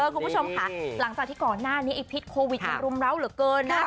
คุณผู้ชมค่ะหลังจากที่ก่อนหน้านี้ไอ้พิษโควิดมันรุมร้าวเหลือเกินนะ